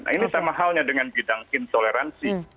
nah ini sama halnya dengan bidang intoleransi